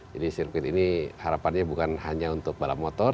sirkuit ini harapannya bukan hanya untuk balap motor